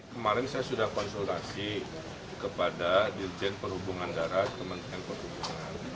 kemarin saya sudah konsultasi kepada dirjen perhubungan darat kementerian perhubungan